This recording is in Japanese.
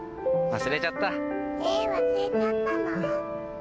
忘れちゃったの？